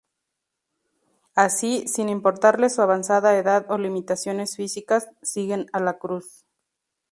Así, sin importarles su avanzada edad o limitaciones físicas, siguen a la cruz.